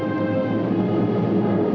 lagu kebangsaan indonesia raya